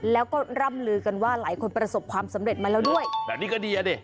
แล้วก็ร่ำลือกันว่าหลายคนประสบความสำเร็จมาแล้วด้วยแบบนี้ก็ดีอ่ะดิ